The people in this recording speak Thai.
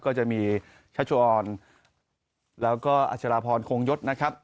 ก็จะมีชัชออนแล้วก็อัชราพรโคงยศนะครับ